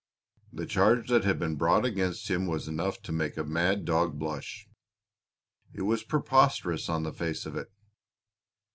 The charge that had been brought against him was enough to make a mad dog blush. It was preposterous on the face of it.